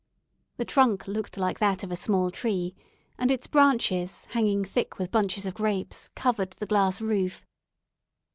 The trunk looked like that of a small tree, and its branches, hanging thick with bunches of grapes, covered the glass roof.